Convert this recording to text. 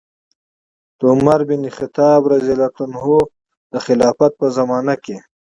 د عمر بن الخطاب رضي الله عنه د خلافت په زمانه کې